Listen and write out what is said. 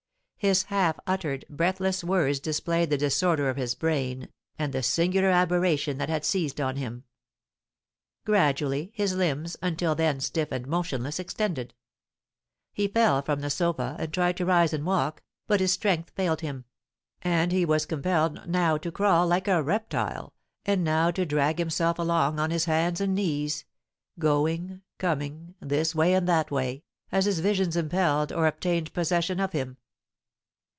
His half uttered, breathless words displayed the disorder of his brain, and the singular aberration that had seized on him. Gradually his limbs, until then stiff and motionless, extended; he fell from the sofa, and tried to rise and walk, but his strength failed him; and he was compelled now to crawl like a reptile, and now to drag himself along on his hands and knees, going, coming, this way and that way, as his visions impelled or obtained possession of him.